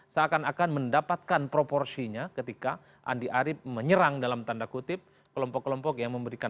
seakan akan mendapatkan proporsinya ketika andi arief menyerang dalam tanda kutip kelompok kelompok yang memberikan